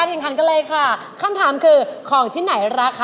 น้องลำไยหายทองครับค่ะ